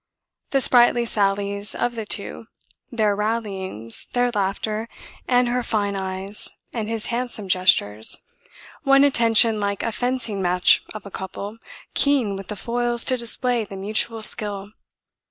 The sprightly sallies of the two, their rallyings, their laughter, and her fine eyes, and his handsome gestures, won attention like a fencing match of a couple keen with the foils to display the mutual skill.